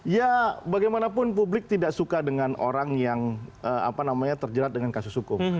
ya bagaimanapun publik tidak suka dengan orang yang terjerat dengan kasus hukum